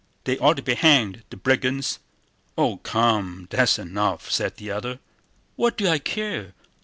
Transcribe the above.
They ought to be hanged—the brigands!..." "Oh come, that's enough!" said the other. "What do I care?